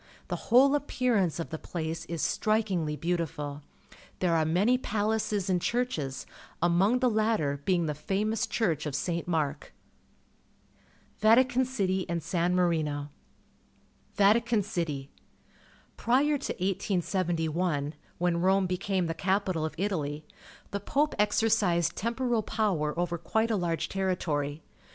The whole appearance of the place is strikingly beautiful. There are many palaces and churches, among the latter being the famous church of St. Mark. YUGO SLAVIA 199 VATICAN CITY AND SAN MARINO Vatican City. — Prior to 1871, when Rome became the capital of Italy, the Pope ex ercised temporal power over quite a large territory.